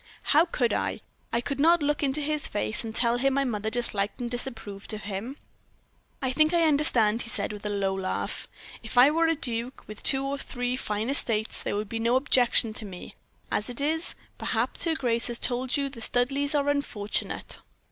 "How could I? I could not look into his face, and tell him my mother disliked and disapproved of him. "'I think I understand,' he said, with a low laugh. 'If I were a duke, with two or three fine estates, there would be no objection to me; as it is, perhaps her grace has told you the Studleighs are unfortunate?'